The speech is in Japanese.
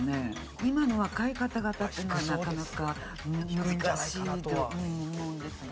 今の若い方々っていうのはなかなか難しいと思うんですが。